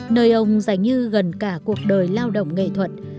nơi ông giải như gần cả cuộc đời lao động nghệ thuật